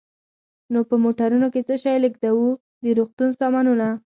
نو په موټرونو کې څه شی لېږدوو؟ د روغتون سامانونه.